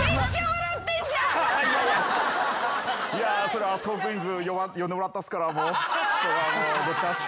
いやそれは『トークィーンズ』呼んでもらったっすから今日はもうごっちゃんす。